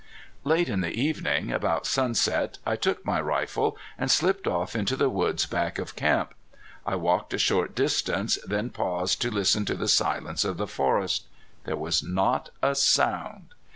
Late in the evening, about sunset, I took my rifle and slipped off into the woods back of camp. I walked a short distance, then paused to listen to the silence of the forest. There was not a sound.